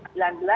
ini bukan suatu